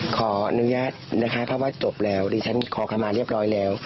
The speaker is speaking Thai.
ขออนุญาตนะคะเพราะว่าจบแล้วดิฉันขอคำมาเรียบร้อยแล้ว